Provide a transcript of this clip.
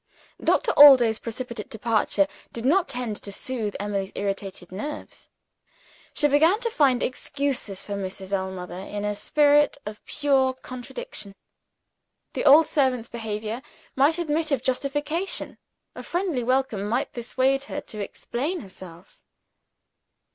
Doctor Allday's precipitate departure did not tend to soothe Emily's irritated nerves. She began to find excuses for Mrs. Ellmother in a spirit of pure contradiction. The old servant's behavior might admit of justification: a friendly welcome might persuade her to explain herself.